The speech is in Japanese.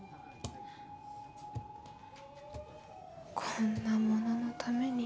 こんな物のために。